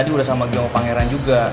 gak ada masalah gue ngajak pangeran juga